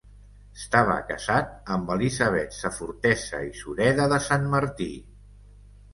Estava casat amb Elisabet Safortesa i Sureda de Santmartí.